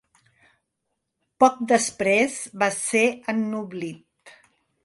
Poc després va ser ennoblit.